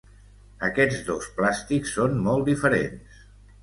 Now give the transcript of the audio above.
Aquests dos plàstics són molt diferents.